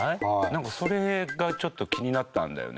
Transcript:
なんかそれがちょっと気になったんだよね。